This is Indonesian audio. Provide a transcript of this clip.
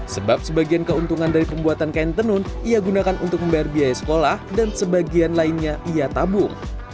sebab sebagian keuntungan dari pembuatan kain tenun ia gunakan untuk membayar biaya sekolah dan sebagian lainnya ia tabung